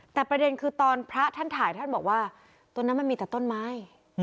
แต่ประเด็นคือตอนพระท่านถ่ายท่านบอกว่าตรงนั้นมันมีแต่ต้นไม้